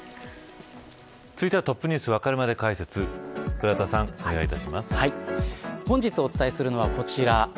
続いてはＴｏｐｎｅｗｓわかるまで解説本日お伝えするのはこちら。